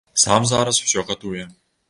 Сам зараз усё гатуе.